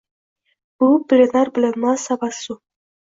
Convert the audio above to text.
Bu bilinar-bilinmas tabassum.